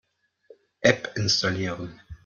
App installieren.